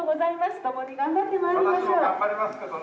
私も頑張りますけどね。